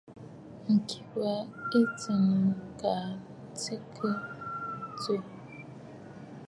Ŋ̀kì wa ɨ t;sɨɨkə aa tsɨ̀ɨ̀ŋkə̀ tɛʼɛ̀ tɛ̀ʼɛ̀.